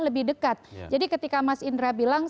lebih dekat jadi ketika mas indra bilang